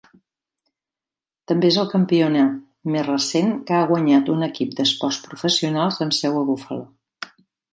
També és el campionat més recent que ha guanyat un equip d'esports professionals amb seu a Buffalo.